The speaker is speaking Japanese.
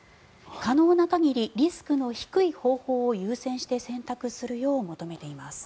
可能な限りリスクの低い方法を優先して選択するよう求めています。